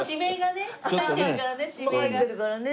もう入ってるからね。